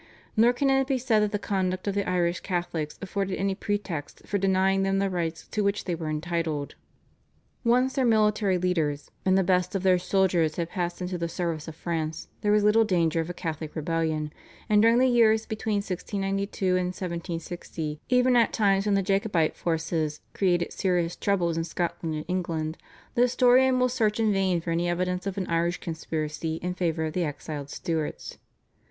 Nor can it be said that the conduct of the Irish Catholics afforded any pretext for denying them the rights to which they were entitled. Once their military leaders and the best of their soldiers had passed into the service of France there was little danger of a Catholic rebellion, and during the years between 1692 and 1760, even at times when the Jacobite forces created serious troubles in Scotland and England, the historian will search in vain for any evidence of an Irish conspiracy in favour of the exiled Stuarts.